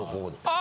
あ！